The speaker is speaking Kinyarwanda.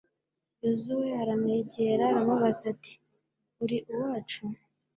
yozuwe aramwegera, aramubaza ati uri uwacu